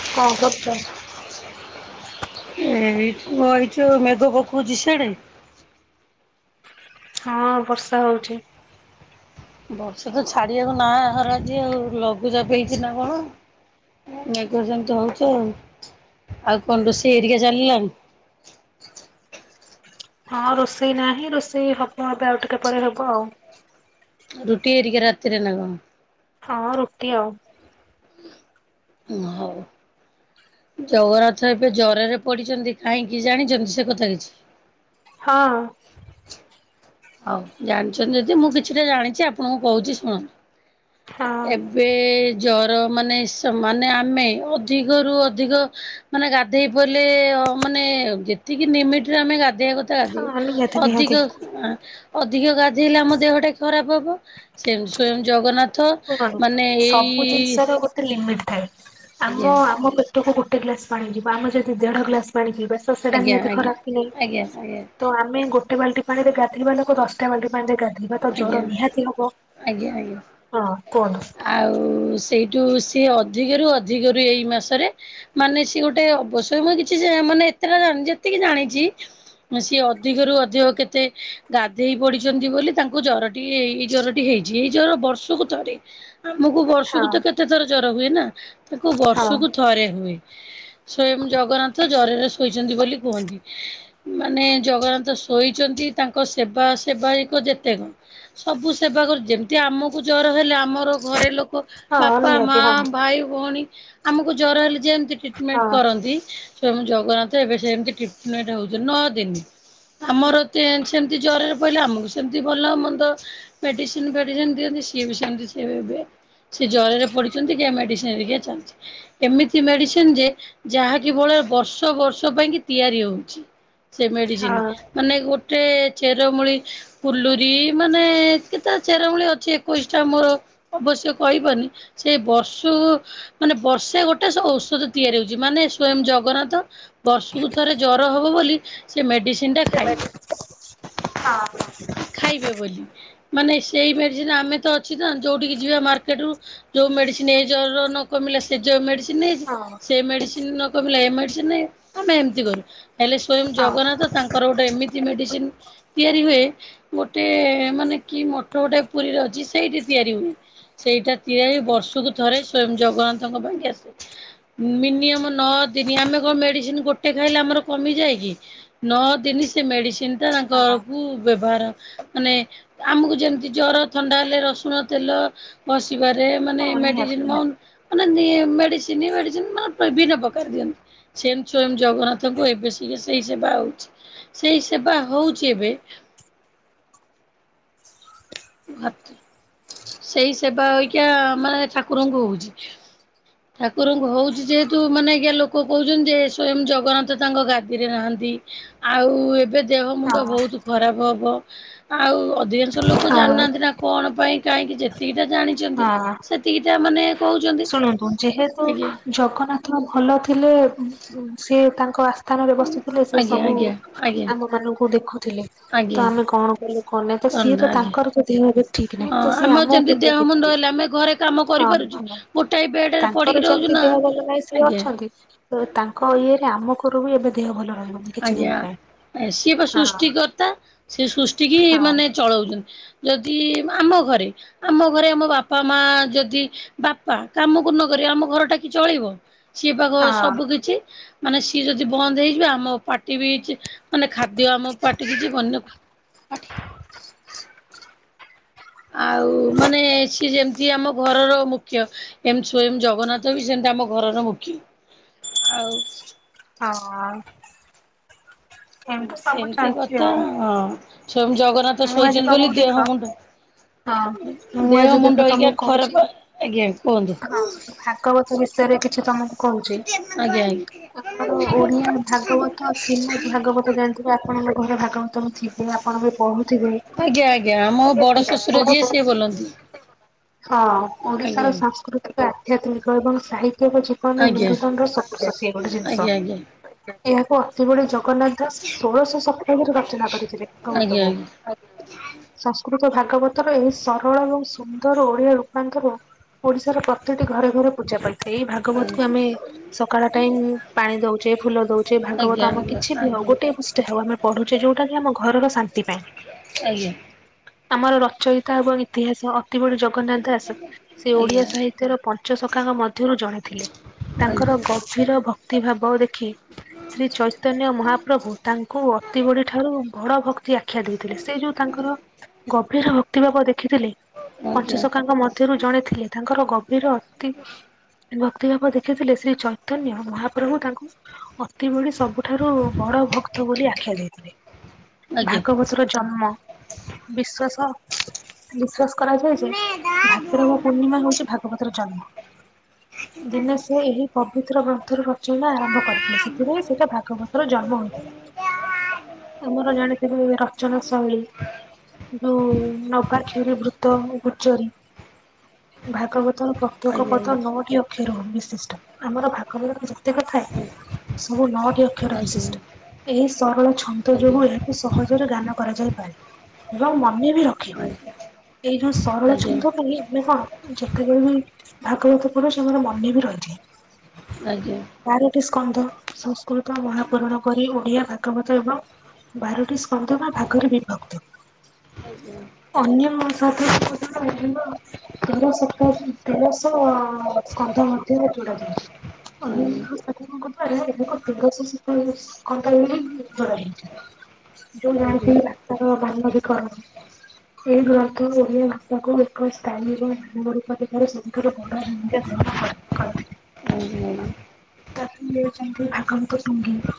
ହଁ କଣ କରୁଚ? ଏଇଠି ବଇଚୁ ଆଉ ମେଘ ପକଉଛି ସିଆଡ଼େ? ହଁ ବର୍ଷା ହଉଚି। ବର୍ଷା ତ ଛାଡ଼ିବାକୁ ନା ହରା ଆଜି ଆଉ ଲଘୁଚାପ ହେଇଚି ନା କଣ? ମେଘ ଯେମିତି ହଉଚି ଆଉ, ଆଉ କଣ ରୋଷେଇ ଏରିକା ଚାଲିଲାଣି? ହଁ ରୋଷେଇ ନାହିଁ ରୋଷେଇ ହବ ଏବେ ଆଉ ଟିକେ ପରେ ହେବ ଆଉ। ରୁଟି ଏରିକା ରାତିରେ ନା କଣ? ହଁ ରୁଟି ଆଉ। ଉ ହଉ। ଜଗନ୍ନାଥ ଏବେ ଜରରେ ପଡ଼ିଚନ୍ତି କାହିଁକି ଜାଣିଛନ୍ତି ସେ କଥା କିଛି? ହଁ। ହଉ ଜାଣିଛନ୍ତି ଯଦି ମୁଁ କିଛିଟା ଜାଣିଛି ଆପଣଙ୍କୁ କହୁଛି ଶୁଣନ୍ତୁ ହଁ। ଏ ଏବେ ଜର ମାନେ ସ ମାନେ ଆମେ ଅଧିକରୁ ଅଧିକ ମାନେ ଗାଧେଇ ପରିଲେ ହ ମାନେ ଯେତିକି ନିମିଟ ରେ ଆମେ ଗାଧେଇବା କ ତାଦିକ ହଁ ନିହାତି ନିହାତି। ଅଧିକ ଆଁ ଅଧିକ ଗାଧେଇଲେ ଆମ ଦେହଟା ଖରାପ ହବ ସେମ୍ ସ୍ଵୟଂ ଜଗନ୍ନାଥ ଥ ଶୁଣନ୍ତୁ ମାନେ ସବୁ ଏଇ ଜିନିଷର ଗୋଟେ ଲିମିଟ ଥାଏ ଆଜ୍ଞା ଆମ ଆମ ପେଟକୁ ଗୋଟେ ଗ୍ଲାସ ପାଣି ଯିବ ଆମେ ଯଦି ଦେଢ଼ ଗ୍ଲାସ ପାଣି ପିଇବା ତ ସେଟା ଆଜ୍ଞା ନିହାତି ଆଜ୍ଞା ଖରାପ କି ନାଇଁ? ଆଜ୍ଞା ଆଜ୍ଞା ତ ଆମେ ଗୋଟେ ବାଲ୍ଟି ପାଣିରେ ଗାଧୋଇବା ଲୋକ ଦଶଟା ବାଲ୍ଟି ପାଣି ରେ ଗାଧୋଇବା ତ ଆଜ୍ଞା ଜ୍ୱର ନିହାତି ହବ। ଆଜ୍ଞା ଆଜ୍ଞା। ହଁ କୁହନ୍ତୁ। ଆଉ ସେଇଠୁ ସିଏ ଅଧିକରୁ ଅଧିକରୁ ଏଇ ମାସରେ ମାନେ ସିଏ ଗୋଟେ ଅବଶର ମୁ କିଛି ଯା ମାନେ ଏତେଟା ଜାଣି ଯେତିକି ଜାଣିଚି ସିଏ ଅଧିକରୁୁ ଅଧିକ କେତେ ଗାଧେଇ ପଡ଼ିଛନ୍ତି ବୋଲି ତାଙ୍କୁ ଜରଟି ଏଇ ଜରଟି ହେଇଛି ଏଇ ଜର ବର୍ଷକୁ ଥରେ ଆମକୁ ହଁ ବର୍ଷକୁ ତ କେ ତେ ଥର ଜର ହୁଏନା ତାଙ୍କୁ ହଁ ବର୍ଷକୁ ଥରେ ହୁଏ। ସ୍ଵୟଂ ଜଗନ୍ନାଥ ଜରରେ ଶୋଇଚନ୍ତି ବୋଲି କୁହନ୍ତି। ମାନେ ଜଗନ୍ନାଥ ଶୋଇଚନ୍ତି ତାଙ୍କ ସେବା ସେବାୟକ ଯେ କ ସବୁ ସେବା କରୁ ଯେମିତି ଆମକୁ ଜର ହେଲେ ଆମର ଘରେ ଲୋକ ହଁ ବାପା ନିହାତି ମା ହଁ ଭାଇ ଭଉଣୀ ଆମକୁ ଜର ହେଲେ ଯେମତି ଟ୍ରିଟମେଣ୍ଟ ହଁ କରନ୍ତି ସ୍ୱୟମ୍ ଜଗନ୍ନାଥ ଏବେ ସେମିତି ଟିଟମେଟ ହଉଚ ନଅ ଦିନ। ଆମର ତେ ସେମିତି ଜରରେ ପଇଲେ ଆମକୁ ସେମ୍ ଭଲ ମନ୍ଦ ମେଡ଼ିସିନ ଫେଡ଼ିସିନ ଦିଅନ୍ତି ସିଏ ବି ସେମତି ସିଏବି ଏବେ ସେ ଜରରେ ପଡ଼ିଛନ୍ତି ଯା ମେଡ଼ିସିନ ଏରିକା ଚାଲିଚି ଏମିତି ମେଡ଼ିସିନ ଯେ ଯାହାକିଭଳି ବର୍ଷ ବର୍ଷ ପାଇଁ କି ତିଆରି ହଉଚି। ସେ ମେଡ଼ିସିନ ମାନେ ଗୋଟେ ଚେରମୂଳି ଫୁଲୁରି ମାନେ କେତେଟା ଚେରମୂଳି ଅଛି ଏକୋଇଶଟା ମୋର ଅବଶ୍ୟ କହିପାରୁନି ସେ ବର୍ଷୁ ମାନେ ବର୍ଷେ ଗୋଟେ ସେ ଔଷଧ ତିଆରି ହଉଛି ମାନେ ସ୍ଵୟଂ ଜଗନ୍ନାଥ ବର୍ଷକୁ ଥରେ ଜର ହବ ବୋଲି ସେ ମେଡ଼ିସିନଟା ଖାଇବେ। ହଁ [unintelligible] ଖାଇବେ ବୋଲି ମାନେ ସେଇ ମେଡ଼ିସିନ ଆମେ ତ ଅଛି ନା ଯୋଉଠିକି ଯିବା ମାର୍କେଟରୁ ଯୋଉ ମେଡ଼ିସିନ ଏଇ ଜର ନ କମିଲା ସେ ଯ ମେଡ଼ିସି ହଁ ସେ ମେଡିସିନ ନ କ ଏ ମେଡିସିନ ନେଇ କଣ ପାଇଁ ଏମିତି କରୁ। ହେଲେ ସ୍ଵୟଂ ହଁ ଜଗନ୍ନାଥ ତାଙ୍କର ଗୋଟେ ଏମିତି ମେଡ଼ିସିନ ତିଆରି ହୁଏ। ଗୋଟେ ମାନେ କି ମଠ ଗୋଟେ ପୁରୀରେ ଅଛି ସେଇଠି ତିଆରି ହୁଏ। ସେଇଟା ତିଆରିବର୍ଷକୁ ଥରେ ସ୍ଵୟଂ ଜଗନ୍ନାଥଙ୍କ ପାଇଁ ଆସେ। ମିନିମମ ନଅ ଦିନି ଆମେ କଣ ମେଡିସିନ ଗୋଟେ ଖାଇଲେ ଆମର କମି ଯାଏ କି? ନଅ ଦିନ ସେ ମେଡିସିନ ଟା ହଁ ତାଙ୍କରକୁ ବ୍ୟବହାର ମାନେ ଆମକୁ ଯେମିତି ଜର ଥଣ୍ଡା ହେଲେ ରସୁଣ ତେଲ ବସିବାରେ ମାନେ ହଁ ନିହାତି ମେଡିସିନ ନିହାତି କମ୍। ମାନେ ମେଡିସିନ, ମେଡିସିନ ମାନେ ବିଭିନ୍ନ ପ୍ରକାର ଦିଅନ୍ତି। ସିଂମ ସ୍ୱୟଂ ଜଗନ୍ନାଥଙ୍କୁ ଏବେ ସେୟା ସେଇ ସେବା ହଉଛି। ସେଇ ସେବା ହଉଛି ଏବେ ସେଇ ସେବା ଅଇିକା ମାନେ ଠାକୁରଙ୍କୁ ହଉଛି। ଠାକୁରଙ୍କୁ ହଉଛି ଯେହେତୁ ମାନେ ଆଜ୍ଞା ଲୋକ କହୁଛନ୍ତି ଯେ, ସ୍ଵୟଂ ଜଗନ୍ନାଥ ତାଙ୍କ ଗାଦିରେ ନାହାନ୍ତି। ଆଉ ଏବେ ଦେହ ମୁଣ୍ଡ ହଁ ବହୁତ ଖରାପ ହବ, ଆଉ ଅଧିକାଂଶ ଲୋକ ହଁ ଜାଣିନାହାନ୍ତି ନା କଣ ପାଇଁ କାହିଁକି ଯେତିକିଟା ଜାଣିଛନ୍ତି, ହଁ ସେତିକିଟା ମାନେ କହୁଛନ୍ତି ଶୁଣନ୍ତୁ ଯେହେତୁ ଆଜ୍ଞା। ଜଗନ୍ନାଥ ଭଲ ଥିଲେ, ସେ ତାଙ୍କ ଆସ୍ଥାନରେ ବସିଥିଲେ ସେ ଆଜ୍ଞା ସବୁ ଆଜ୍ଞା ଆଜ୍ଞା ଆମ ମାନଙ୍କୁ ଦେଖୁଥିଲେ, ତ ଆଜ୍ଞା ଆମେ କଣ କଲୁ କଣ ନାଇ ତ ସିଏ ଧନ୍ୟ ତ ଆଜ୍ଞା। ତାଙ୍କର ତ ଦେହ ବି ଠିକ ହଁ ନାହିଁ ତ ସିଏ ଆମର ଆମକୁ ଯେମିତି ଦେହ କେମିତି ମୁଣ୍ଡ ଦେଖିବେ, ହେଲେ ଆମେ ଘରେ କାମ ହଁ କରିପାରୁଛୁ। ହଁ। ଗୋଟାଏ ବେଡ଼ ତାଙ୍କର ଯେମିତି ଦେହ ଭଲ ନାହିଁ ସିଏ ଅଛନ୍ତି ତ ତାଙ୍କ ଇଏରେ ଆମ ଘରେ ବି ଏବେ ଦେହ ଭଲ ରହିବନି। କିଛି ଦିନ ଆଜ୍ଞା ପାଇଁ ସିଏ ବା ହଁ ସୃଷ୍ଟିକର୍ତ୍ତା, ସିଏ ସୃଷ୍ଟି କି ହଁ ମାନେ ଚଳଉଛନ୍ତି ଯଦି ଆମ ଘରେ, ଆମ ଘରେ ଆମ ବାପା ମା ଯଦି ବାପା କାମକୁ ନ କରି ଆମ ଘରଟା କି ଚଳିବ? ସିଏ ବା ଗ ହଁ ସବୁ କିଛି ମାନେ ସିଏ ଯଦି ବନ୍ଦ ହେଇଯିବ, ଆମ ପାଟି ବି ମାନେ ଖାଦ୍ୟ ଆମ ପାଟିକି ଯିବନି ଆଉ! ଆଉ ମାନେ ସିଏ ଯେ ଆମ ଘରର ମୁଖ୍ୟ, ଏମଂ ସ୍ଵୟଂ ଜଗନ୍ନାଥ ବି ସେମିତି ଆମ ଘରର ମୁଖ୍ୟ। ଆଉ! ହଁ! ଏମିତି ସବୁ ସେମିତି ଚାଲିଛି କଥା ଆଉ ଅଁ ସ୍ୱୟଂ ଜଗନ୍ନାଥ ମୁଁ ଆଜି ଶୋଇଛନ୍ତି ବୋଲି ତମକୁ ଦେଖ ଦେହ ମୁଣ୍ଡ ହଁ, ମୁଁ ଦେହ ଆଜି ମୁଣ୍ଡ ଦେଖ ହେଇକା ତମକୁ କହୁଛି, ଖରାପ ଆଜ୍ଞା କୁହନ୍ତୁ। ହଁ ଭାଗବତ ବିଷୟରେ କିଛି ତମେ କହୁଛି, ଆଜ୍ଞା ଆଜ୍ଞା ଆମର ଓଡିଆ ଭାଗବତ ଶ୍ରୀମଦ୍ ଭାଗବତ ଜାଣିଥିବେ ଆପଣଙ୍କ ଘରେ ଭାଗବତ ଥିବ, ଆପଣ ବି ପଢୁ [inaudible] ହଁ, ଆଜ୍ଞା ଆଜ୍ଞା ଆମ ବଡ ଶ୍ୱଶୁର ଯିଏ ସିଏ ବୋଲନ୍ତି ଓଡିଶାର ଆଜ୍ଞା। ସାଂସ୍କୃତିକ ଆଧ୍ୟାତ୍ମିକ ଏବଂ ସାହିତ୍ୟ ଯୁ କେ ଆଜ୍ଞା ର ସ ସେ ଗୋଟେ ଜିନିଷ ଆଜ୍ଞା ଆଜ୍ଞା [inaudible] ଏହାକୁ ଅତିବଡି ଜଗନ୍ନାଥ ଦାସ ଷୋଳଶହ ଶତାବ୍ଦୀରେ ରଚନା କରିଥିଲେ, ଆଜ୍ଞା ଆଜ୍ଞା। ଏକମତକୁ। ସଂସ୍କୃତ ଭାଗବତରେ ସରଳ ଏବଂ ସୁନ୍ଦର ଓଡିଆ ରୂପାନ୍ତର ଓଡିଶାର ପ୍ରତ୍ୟେକଟି ଘରେ ଘରେ ପୂଜା ପାଇ ଏଇ ଭାଗବତ କୁ ଆମେ ସକାଳ ଟାଇମ ପାଣି ଦଉଚେ, ଫୁଲ ଦଉଚେ ଯେ ଆଜ୍ଞା ଭାଗବତ ଆମ ଆଜ୍ଞା କିଛି ବି ହଉ ଆଜ୍ଞା ଗୋଟେ ପୃଷ୍ଠା ହେଉ ଆମେ ପଢୁଛେ, ଯୋଉଟା କି ଆମ ଘରର ଶାନ୍ତି ପାଇଁ। ଆଜ୍ଞା। ଆମର ରଚୟିତା ଏବଂ ଇତିହାସ ଅତି ବଡ଼ି ଜ ଗନ୍ନାଥ ଦାସ ସେ ଆଜ୍ଞା ଓଡିଆ ସାହିତ୍ୟର ପଞ୍ଚ ଶଖାଙ୍କ ମଧ୍ୟରୁ ଜଣେ ଥିଲେ, ଆଜ୍ଞା। ଆଜ୍ଞା ଆଜ୍ଞା ଆଜ୍ଞା ଆଜ୍ଞା ଆଜ୍ଞା। ଆଜ୍ଞା ତାଙ୍କର ଗ ଆଜ୍ଞା ଚିର ଭକ୍ତିଭାବ ଦେଖି ଶ୍ରୀ ଚୈତନ୍ୟ ମହାପ୍ରଭୁ ତାଙ୍କୁ ଅତିବଡି ଠାରୁ ବଡ ଭକ୍ତି ଆଖ୍ୟା ଦେଇଥିଲେ, ସେ ଯୋଉ ତାଙ୍କର ଗଭୀର ଭକ୍ତି ଭାବ ଦେଖିଥିଲେ ଆଜ୍ଞା ଆଜ୍ଞା ଆଜ୍ଞା ପଞ୍ଚଶଖାଙ୍କ ମଧ୍ୟରୁ ଜଣେ ଥିଲେ, ତାଙ୍କର ଗଭୀର ଅତି ଭକ୍ତି ଭାବ ଦେଖିଥିଲେ, ଶ୍ରୀ ଚୈତନ୍ୟ ମହାପ୍ରଭୁ ତାଙ୍କୁ ଅତି ବଡି ସବୁ ଠାରୁ ବଡ ଭକ୍ତ ବୋଲି ଆଖ୍ୟା ଦେଇଥିଲେ, ଭାଗବତ ଜନ୍ମ ବିଶ୍ଵାସ ବିଶ୍ଵାସ କରାଯାଏ ଯେ ଭାଦ୍ରବ ପୂର୍ଣ୍ଣିମା ହଉଛି ଭାଗବତର ଜନ୍ମ। ଦିନ ସେ ଏହି ପବିତ୍ର ଗ୍ରନ୍ଥରୁ ରଚନା ଆରମ୍ଭ କରିଥିଲେ, ସେଥିପାଇଁ ସେଟା ଭାଗବତ ର ଜନ୍ମ ହୋଇଥିଲା। ଆମର ଜାଣିଥିବେ ର ଚନା ଶୈଳୀ ଯୋଉ ନବାକ୍ଷରିବୃତ ଗୁଚରୀ ଭାଗବତର ପ୍ରତ୍ୟେକ ପଦ ନଅଟି ଅକ୍ଷର ବିଶିଷ୍ଟ ଆମର ଭାଗବତ ଯେତେକ ଥାଏ ସବୁ ନଅଟି ଅକ୍ଷର ବିଶିଷ୍ଟ ଏହି ସରଳ ଛନ୍ଦ ଯୋଗୁଏହା ସହଜରେ ଗାନ କରାଯାଇପାରେ ଏବଂ ମନେ ବି ର ଏଇ ଯୋଉ ସରଳ ଛନ୍ଦ ପାଇଁ ଆମେ କଣ ଯେତେବେଳେ ବି ଭାଗବତ ପଢୁଚେ ଆମର ମନେବି ରହିଥାଏ। ଆଜ୍ଞା। ବାରଟି ସ୍କଧ ସଂସ୍କୃତ ମହାପୁରାଣ କରି ଓଡିଆ ଭା [unintelligible] ବାରଟି ସ୍କନ୍ଦ ବା ଭାଗରେ ବିଭକ୍ତ। ଆଜ୍ଞା। ଅନ୍ୟ [unintelligible] ତେରସତ ତେରଶହ ସ୍କନ୍ଦ ମଧ୍ୟରେ। [unintelligible] [unintelligible] [unintelligible] ତାର ମାନବିକ ଏହି ଗ୍ରନ୍ଥ କୁ ଓଡ଼ିଆ ଭାଷାକୁ ଏକ ସ୍ଥାୟୀର ମୂଳ ରୁପରେ [unintelligible] ଆଜ୍ଞା। ତାକୁ ଦେଇଚନ୍ତି ଭାଗଙ୍କ ସଙ୍ଗୀତ।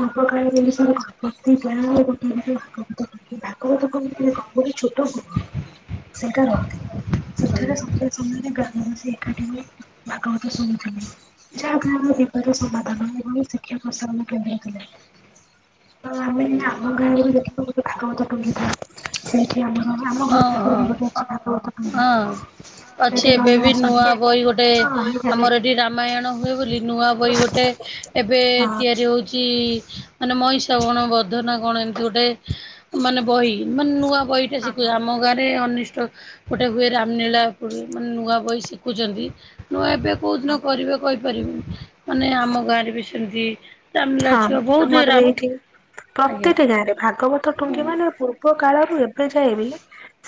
ପୂର୍ବକାଳେ ଓଡ଼ିଶାରେ ପ୍ରତି ଗାଁରେ [unintelligible] ହେବକି ଗୋଟେ ଛୋଟ ଶିକା ଶିକାର ସେଠାରେ ଆଜ୍ଞା ଆଜ୍ଞା। ସନ୍ଧ୍ୟା ସମୟରେ ଗ୍ରାମବାସୀ ଏକାଠି ହୋଇ ଭାଗବତ ଶୁଣୁଥାଆନ୍ତି। ଶିକ୍ଷା ବିପଦ ସମାଧାନ ଏବଂ ଶିକ୍ଷା ପ୍ରସାରଣ କେନ୍ଦ୍ର କେବେ ହେଇଥିଲା? ତ ଆମେ ବି ଆମ ଗାଁରେ ଦେଖିଚୁ ଗୋଟେ ଭାଗବତ ଟୁଙ୍ଗି ଥାଏ ସେଇଠି ଆମ ହଁ ଆମଘରେ ଓହୋ ପାଖେ ହଁ ବି ଭାଗବତ ହଁ ଟୁଙ୍ଗିଅଛି। ଅଛି ଏବେ ବି ନୂଆ ବହି ଗୋଟେ ହଁ ନିହାତି। ଆମର ଏଠି ରାମାୟଣ ହୁଏ ବୋଲି ନୂଆ ବହି ଗୋଟେ ଏବେ ତିଆରି ହୋଉଚି ମାନେ ମହିଷା କଣ ବଧନା କଣ ଏମିତି ଗୋଟେ ମାନେ ବହି ମାନେ ନୂଆ ବହିଟେ କିଏ ଆମ ଗାଁରେ ଅନିଷ୍ଟ ଗୋଟେ ହୁଏ ରାମନୀଳା ମାନେ ନୂଆ ବହି ଶିଖୁଛନ୍ତି ନୂଆ ଏବେ କୋଉ ଦିନ କରିବେ କହିପାରିବିନି ମାନେ ଆମ ଗାଁରେ ବି ସେମିତି ରାମଲୀଳା ହଁ ଛୁଆ ବହୁତ ଆମର ବି ରାମ ଏଇଠି ଆଜ୍ଞା ପ୍ରତିଟି ଗାଁରେ ଭାଗବତ ଟୁଙ୍ଗି ହଁ ମାନେ ପୂର୍ବ କାଳରୁ ଏବେ ଯାଏ ବି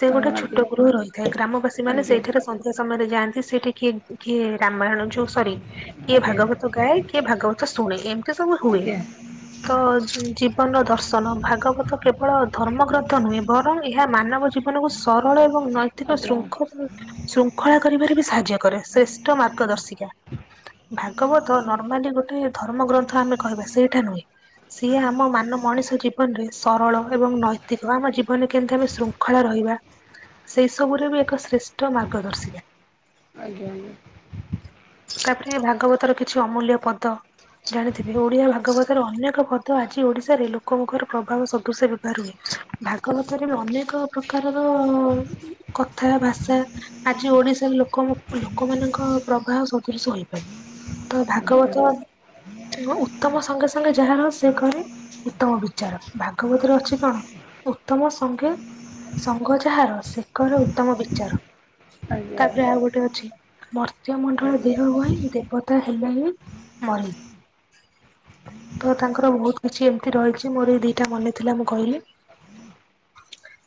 ସେ ଗୋଟେ ଛୋଟ ଆଜ୍ଞା ଗୃହ ରହିଥାଏ ଗ୍ରାମବାସୀ ମାନେ ଆଜ୍ଞା ସେଇଠାରେ ସନ୍ ନ୍ଧ୍ୟା ସମୟରେ ଯାଆନ୍ତି ସେଠି କିଏ କିଏ ରାମାୟଣ ଯୋ ସରି କିଏ ଆଜ୍ଞା ଭାଗବତ ଗାଏ କିଏ ଭାଗବତ ଶୁଣେ ଏମିତି ସବୁ ହୁଏ। ଆଜ୍ଞା ତ ଜୀବନ ଦର୍ଶନ ଭାଗବତ କେବଳ ଧର୍ମଗ୍ରନ୍ଥ ନୁହେଁ ବରଂ ଏହା ମାନବ ଜୀବ ମାନଙ୍କୁ ସରଳ ଏବଂ ନୈତିକ ଆଜ୍ଞା ଶୃଙ୍ଖଳ ଶୃଙ୍ଖଳା କରିବାରେ ବି ସାହାଯ୍ୟ କରେ ଶ୍ରେଷ୍ଠ ମାର୍ଗ ଦର୍ଶିକା। ଭାଗବତ ନର୍ମାଲି ଗୋଟେ ଧର୍ମ ଗ୍ରନ୍ଥ ଆମେ କହିବା ସେଇଟା ନୁହେଁ ସିଏ ଆମ ମାନ ମଣିଷ ଜୀବନରେ ସରଳ ଏବଂ ନୈତିକ ଆମ ଜୀବନରେ କେମିତି ଆମେ ଶୃଙ୍ଖ ଙ୍ଖଳ ରହିବା ସେଇ ସବୁରେ ବି ଏକ ଶ୍ରେଷ୍ଠ ମାର୍ଗଦର୍ଶିକା। ଆଜ୍ଞା ଆଜ୍ଞା। ତାପରେ ଭାଗବତର କିଛି ଅମୂଲ୍ୟ ପଦ ଜାଣିଥିବେ ଓଡ଼ିଆ ଭାଗବତର ଅନେକ ପଦ ଆଜି ଓଡ଼ିଶାରେ ଲୋକଙ୍କର ପ୍ରଭାବ ସଦୃଶ ବେବହାର ହୁଏ। ଭାଗବତରେ ଅନେକ ପ୍ରକାରର କଥା ଭାଷା ଆଜି ଓଡିଶାର ଲୋକ ଲୋକ ମାନଙ୍କ ପ୍ର ବାହ ସଦୃଶ ହୋଇପାରେ ତ ଆଜ୍ଞା ଭାଗବତ ଉତ୍ତମ ସଙ୍ଗେ ସଙ୍ଗେ ଯାହାର ସେ କରି ଉତ୍ତମ ବିଚାର, ଭାଗବତରେ ଅଛି କଣ ଉତ୍ତମ ସଙ୍ଗେ ସଂଘ ଯାହାର ସେକରେ ଉତ୍ତମ ବିଚାର। ଆଜ୍ଞା ତାପରେ ଆଉ ଗୋଟେ ଅଛି ବର୍ ମର୍ତ୍ତ୍ୟ ମଣ୍ଡଳେ ଆଜ୍ଞା ଦେହ ବହି ଦେବତା ହେଲେ ହିଁ ମରି। ତ ତାଙ୍କର ବହୁତ କିଛି ଏମିତି ରହିଛି, ମୋର ଏଇ ଦିଟା ମନେ ଥିଲା ମୁଁ କହିଲି।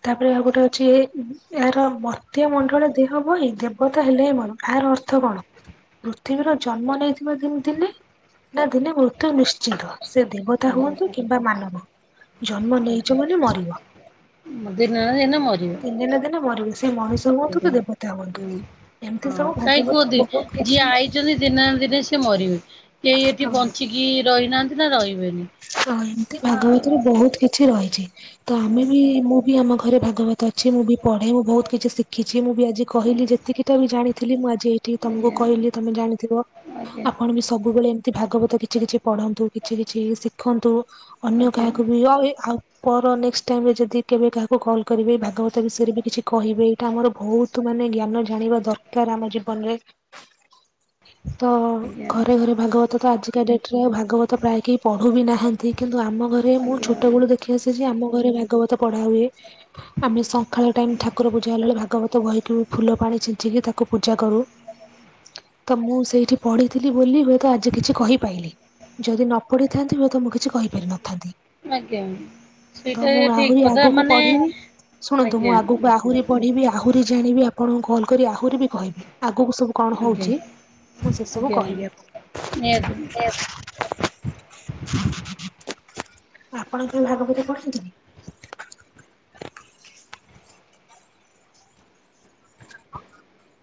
ତାପରେ ଆଉ ଗୋଟେ ଅଛି ଏ ଏହାର ମର୍ତ୍ୟ ମଣ୍ଡଳ ଦେହବହିି ଦେବତା ହେଲେ ହିଁ ମରଇ ଏହାର ଅ ଅର୍ଥ କଣ ପୃଥିବୀର ଜନ୍ମ ନେଇଥିବା ଦିନେ ନା ଦିନେ ମୃତ୍ୟୁ ନିଶ୍ଚିନ୍ତ। ସେ ଦେବତା ଆଜ୍ଞା ହୁଅନ୍ତୁ କିମ୍ବା ମାନବ, ଜନ୍ମ ନେଇଛ ମାନେ ମରିବ। ଦିନେ ନା ଦିନେ ମରିବ। ଦିନେ ନା ଦିନେ ମରିବୁ ସେଇ ମଣିଷ ହୁଅନ୍ତୁ ତ ଦେବତା ହଅନ୍ତୁ, ହୁଁ। ଏମିତି ହଁ ସବୁ କାହିଁ ଭାଗବତର କୁହନ୍ତି ବହୁତ ଯିଏ କିଛି ଆଇଛନ୍ତି ଦିନେ ନା ଦିନେ ସି ମରିବେ, କେହି ଏଠି ହଁ ବଞ୍ଚି କି ରହିନାହାନ୍ତି ନା ରହିବେନି। ହଁ ଏମିତି ଭାଗବତରେ ଆଜ୍ଞା ବହୁତ କିଛି ରହିଛି। ତ ଆମେ ବି ମୁଁ ବି ଆମ ଘରେ ଭାଗବତ ଅଛି ମୁଁ ବି ପଢ଼େ ମୁଁ ବହୁତ କିଛି ଶିଖିଛି, ମୁଁ ବି ଆଜି କହିଲି ଯେତିକି ବି ଜାଣିଥିଲି ମୁଁ ଆଜି ଏଇଠି ତମକୁ ଆଜ୍ଞା ଆଜ୍ଞା କହିଲି ତମେ ଜାଣିଥିବ। ଆପଣ ବି ସବୁବେଳେ ଏମିତି ଭାଗବତ କିଛି କିଛି ପଢନ୍ତୁ, କିଛି କିଛି ଶିଖନ୍ତୁ। ଆଜ୍ଞା ଅନ୍ୟ ଆଜ୍ଞା କାହାକୁ ବି ଆଉ ଆଉ ପର ନେଷ୍ଟ ଟାଇମ୍ ଯଦି କେବେ କାହାକୁ କଲ୍ କରିବି ଭାଗବତ ବିଷୟରେ ବି କିଛି କହିବି। ଟା ଆମର ବହୁତ ମାନେ ଜ୍ଞାନ ଜାଣିବା ଦରକାର, ଆମ ଜୀବନରେ। [inaudible] ତ ଆଜ୍ଞା ଘରେ ଘରେ ଭାଗବତ ତ ଆଜିକା ଡେଟରେ ଆଉ ଭାଗବତ ପ୍ରାୟ କେହି ପଢ ବି ନାହାନ୍ତି କିନ୍ତୁ ଆମ ଘରେ ମୁଁ ଛୋଟବେଳୁ ଦେଖି ଆସିଛି ଆମ ଘରେ ଭାଗବତ ପଢା ହୁଏ। ଆମେ ସଖାଳ ଟାଇମ୍ ଠାକୁର ପୂଜା ହେଲା ବେଳେ ଭାଗବତ ବହିକି ଫୁଲ ପାଣି ଛିଞ୍ଚିକି ତାକୁ ପୂଜା କରୁ। [unintelligible] ତ ମୁଁ ସେଇଠି ପଢିଥିଲି ବୋଲି ହୁଏତ ଆଜି କିଛି କହିପାଇଲିି, ଯଦି ନ ପଢି ଥାନ୍ତି ମୁଁ ତମକୁ କିଛି କହିପାରିିନଥାନ୍ତି। ଆଜ୍ଞା ତ ସେଇଟା ମୁଁ ଠିକ ଆହୁରି କଥା ଆଗକୁ ମାନେ ପଢିମି ଶୁଣନ୍ତୁ ମୁଁ ଆଜ୍ଞା ଆଗକୁ ଆହୁରି ପଢିବି ଆହୁରି ଜାଣିବି ଆପଣଙ୍କୁ କଲ କରି ଆହୁରି ବି କହିବି ଆଗକୁ ସବୁ କଣ ଆଜ୍ଞା ହଉଛି। ମୁଁ ଆଜ୍ଞା ସେସବୁ ଆଜ୍ଞା କହିବି ନିହାତି। ଆପଣଙ୍କୁ। ଆପଣ ଭାଗବତ ପଡନ୍ତିନି [inaudible]